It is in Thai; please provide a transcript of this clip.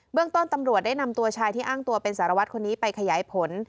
เรื่องต้นตำรวจได้นำตัวชายที่อ้างตัวเป็นสารวัตรคนนี้ไปขยายผล